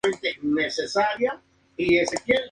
Club, asimismo, presidió la Harvard Investment Association.